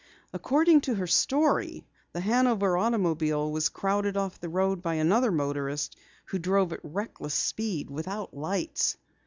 According to her story, the Hanover automobile was crowded off the road by another motorist who drove at reckless speed, without lights.